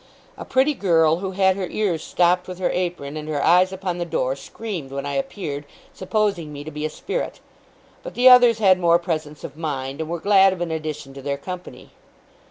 A pretty girl, who had her ears stopped with her apron, and her eyes upon the door, screamed when I appeared, supposing me to be a spirit; but the others had more presence of mind, and were glad of an addition to their company.